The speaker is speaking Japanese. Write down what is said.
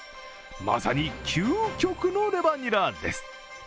まさに究極のレバニラです。